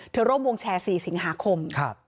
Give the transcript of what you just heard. เธอล่มวงแชร์สี่สังหาคม